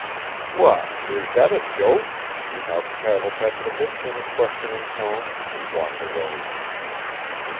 "What, is that a joke?" remarked Pavel Petrovich in a questioning tone and walked away.